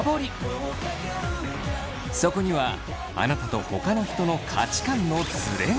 そこにはあなたとほかの人の価値観のズレが！